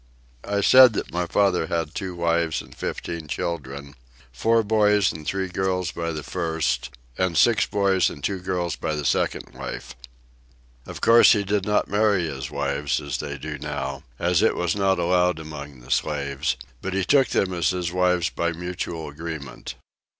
I said that my father had two wives and fifteen children: four boys and three girls by the first, and six boys and two girls by the second wife. Of course he did not marry his wives as they do now, as it was not allowed among the slaves, but he took them as his wives by mutual agreement.